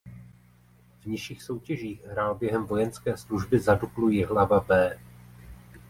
V nižších soutěžích hrál během vojenské služby za Duklu Jihlava „B“.